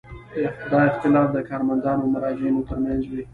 دا اختلاف د کارمندانو او مراجعینو ترمنځ وي.